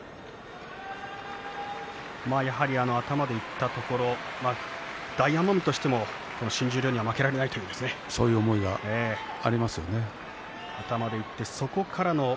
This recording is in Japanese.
やはり頭でいったところ大奄美としても新十両にはそういう思いはありますね。